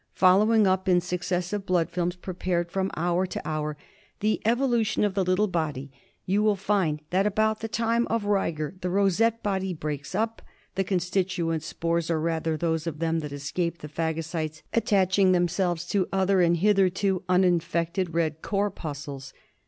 Following up in suc cessive blood films, prepared from hour to hour, the evolu tion of the little body, you will find that about the time ] of rigor the rosette body breaks up, the constituent spores, or, rather, those of them that escape the phagocytes, attach ^ ing themselves to other and hitherto *jK uninfected red corpuscles.